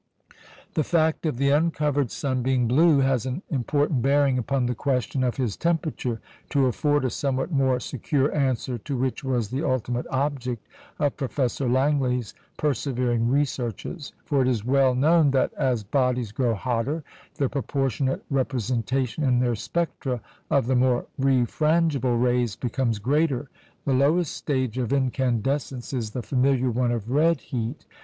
The fact of the uncovered sun being blue has an important bearing upon the question of his temperature, to afford a somewhat more secure answer to which was the ultimate object of Professor Langley's persevering researches; for it is well known that as bodies grow hotter, the proportionate representation in their spectra of the more refrangible rays becomes greater. The lowest stage of incandescence is the familiar one of red heat.